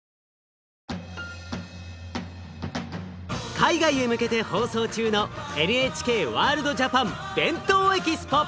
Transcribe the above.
海外へ向けて放送中のＮＨＫワールドＪＡＰＡＮ「ＢＥＮＴＯＥＸＰＯ」！